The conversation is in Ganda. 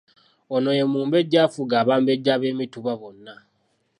Ono ye mumbejja afuga abambejja ab’emituba bonna.